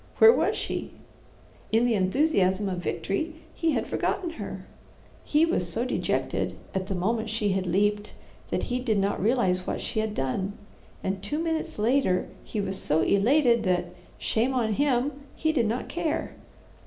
Where was she? In the enthusiasm of victory he had forgotten her. He was so dejected at the moment she had leaped that he did not realize what she had done, and two minutes later he was so elated that, shame on him! he did not care.